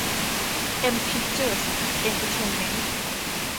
เอ็ม พิคเจอร์ส เอ็นเตอร์เทนเม้นท์